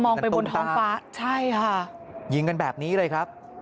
ไปบนท้องฟ้าใช่ค่ะยิงกันแบบนี้เลยครับ